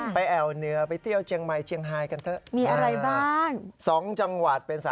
ไปแอ่วเนื้อไปเที่ยวเจียงใหม่เจียงฮายกันเถอะ